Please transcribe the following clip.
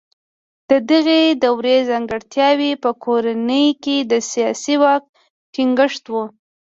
د دغې دورې ځانګړتیاوې په کورنۍ کې د سیاسي واک ټینګښت و.